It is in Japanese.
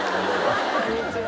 こんにちは。